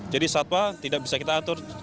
jadi satwa tidak bisa kita atur